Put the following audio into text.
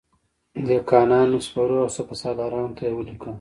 دهقانانو، سپرو او سپه سالارانو ته یې ولیکل.